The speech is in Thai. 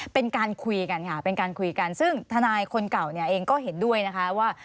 เป็นการคุยกันค่ะเป็นการคุยกันซึ่งทนายคนเก่าเนี่ยเองก็เห็นด้วยนะคะว่า